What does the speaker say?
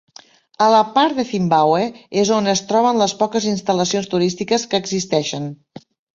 A la part de Zimbàbue és on es troben les poques instal·lacions turístiques que existeixen.